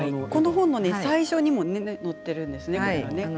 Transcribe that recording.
この本の最初にも載っているんですよね。